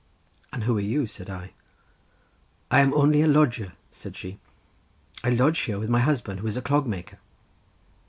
"And who are you?" said I. "I am only a lodger," said she; "I lodge here with my husband, who is a clog maker."